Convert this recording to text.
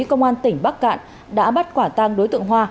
công an tỉnh bắc cạn đã bắt quả tang đối tượng hoa